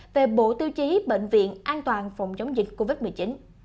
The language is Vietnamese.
về bộ tiêu chí bệnh viện an toàn phòng chống dịch covid một mươi chín